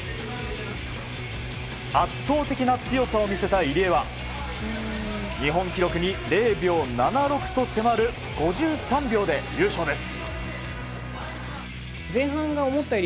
圧倒的な強さを見せた入江は日本記録に０秒７６と迫る５３秒で優勝です。